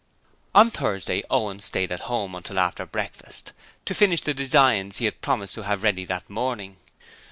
On Thursday Owen stayed at home until after breakfast to finish the designs which he had promised to have ready that morning.